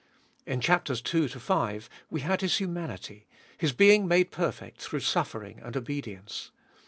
In chaps, ii. v. we had His humanity, His being made perfect through suffering and obedience.